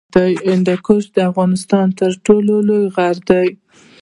هندوکش د افغانستان تر ټولو لوی غر دی